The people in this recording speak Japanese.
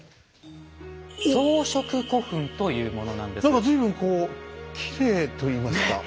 何か随分こうきれいといいますか。